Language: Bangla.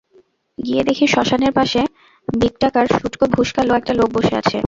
গিয়ে দেখি শ্মশানের পাশে বিকটাকার, শুঁটকো ভূষ-কালো একটা লোক বসে আছে।